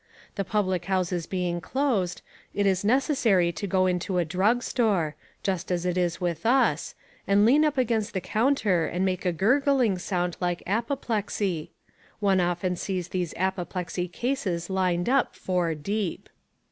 The public houses being closed, it is necessary to go into a drug store just as it is with us and lean up against the counter and make a gurgling sound like apoplexy. One often sees these apoplexy cases lined up four deep.